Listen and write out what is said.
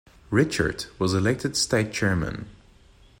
Richert was elected State Chairman.